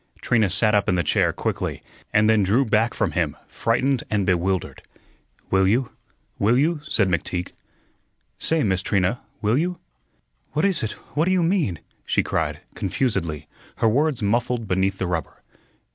Trina sat up in the chair quickly, and then drew back from him, frightened and bewildered. "Will you? Will you?" said McTeague. "Say, Miss Trina, will you?" "What is it? What do you mean?" she cried, confusedly, her words muffled beneath the rubber.